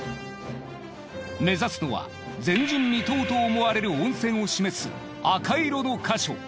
目指すのは前人未到と思われる温泉を示す赤色の箇所。